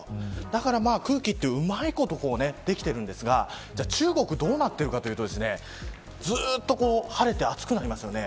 だから空気はうまいことできているんですが中国はどうなっているかというとずっと晴れて暑くなりますよね。